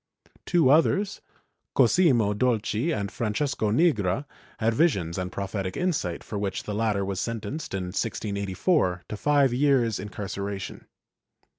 Two others, Cosimo Dolci and Francesco Nigra had visions and prophetic insight, for which the latter was sentenced, in 1684, to five years' incarceration.